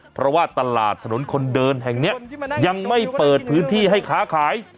เพราะว่าตลาดถนนคนเดินแห่งนี้ยังไม่เปิดพื้นที่ให้ค้าขาย